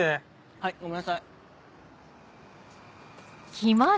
はいごめんなさい。